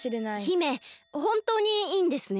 姫ほんとうにいいんですね？